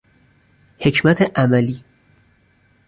حکمت عملی